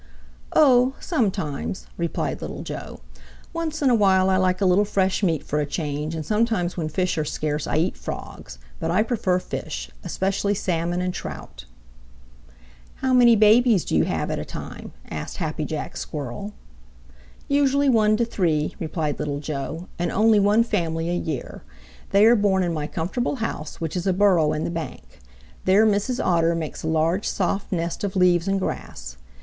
"Oh, sometimes," replied Little Joe. "Once in a while I like a little fresh meat for a change, and sometimes when fish are scarce I eat Frogs, but I prefer fish, especially Salmon and Trout." "How many babies do you have at a time?" asked Happy Jack Squirrel. "Usually one to three," replied Little Joe, "and only one family a year. They are born in my comfortable house, which is a burrow in the bank. There Mrs. Otter makes a large, soft nest of leaves and grass.